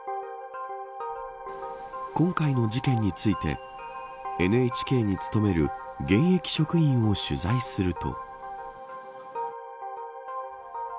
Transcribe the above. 今回の事件についてＮＨＫに勤める現役職員を取材すると。